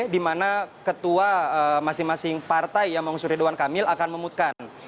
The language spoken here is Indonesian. di mana ketua masing masing partai yang mengusung ridwan kamil akan memutkan